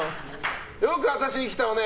よく私に来たわね！